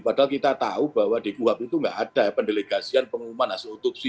padahal kita tahu bahwa di kuhp itu tidak ada pendeligasian pengumuman hasil utupsi